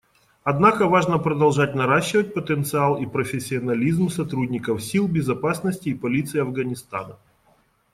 Однако важно продолжать наращивать потенциал и профессионализм сотрудников сил безопасности и полиции Афганистана.